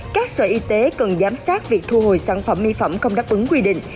các sở y tế cần giám sát việc thu hồi sản phẩm mỹ phẩm không đáp ứng quy định